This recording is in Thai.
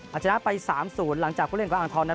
อาจจะนะไป๓๐หลังจากคู่เลี่ยงกับอังทธรรมนั้น